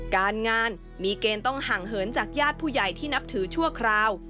การงานมีเกณฑ์ต้องห่างเหินจากญาติผู้ใหญ่ที่นับถือชั่วคราว